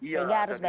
sehingga harus betres